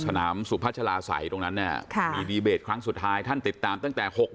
สุพัชลาศัยตรงนั้นเนี่ยมีดีเบตครั้งสุดท้ายท่านติดตามตั้งแต่๖๐